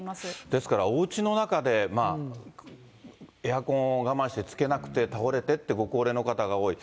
ですから、おうちの中で、エアコンを我慢してつけなくて倒れてって、ご高齢の方が多い。